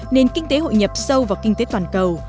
nền kinh tế hội nhập sâu vào kinh tế toàn cầu